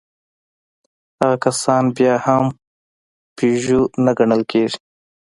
هغه کسان بيا هم پيژو نه ګڼل کېږي.